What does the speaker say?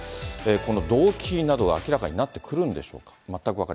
この動機などは明らかになってくるんでしょうか。